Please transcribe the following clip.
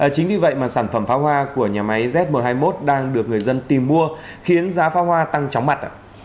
chính vì vậy mà sản phẩm pháo hoa của nhà máy zm hai mươi một đang được người dân tìm mua khiến giá pháo hoa tăng chóng mặt